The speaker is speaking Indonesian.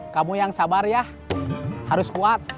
kamu yang sabar ya harus kuat